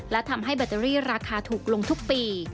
และทำให้แบตเตอรี่ราคาถูกลงทุกปี